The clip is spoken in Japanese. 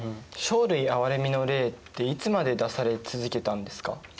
生類憐みの令っていつまで出され続けたんですか？